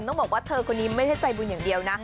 ต้องบอกว่าเธอคนนี้ไม่ได้ใจบุญอย่างเดียวนะ